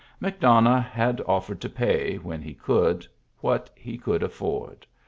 McDonough had ofifered to pay, when he could, what he could afiford.